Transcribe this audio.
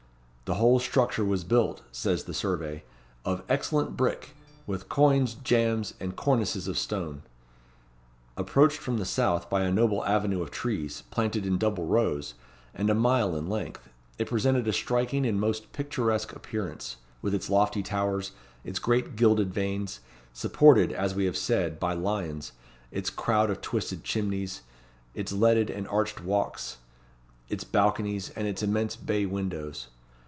The whole structure was built, says the survey, "of excellent brick, with coigns, jambs, and cornices of stone." Approached from the south by a noble avenue of trees, planted in double rows, and a mile in length, it presented a striking and most picturesque appearance, with its lofty towers, its great gilded vanes, supported, as we have said, by lions, its crowd of twisted chimnies, its leaded and arched walks, its balconies, and its immense bay windows.